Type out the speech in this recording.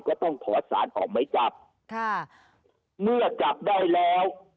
ก็ต้องขอสารออกไหมจับค่ะเมื่อจับได้แล้ว